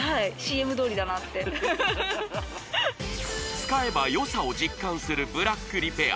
使えばよさを実感するブラックリペア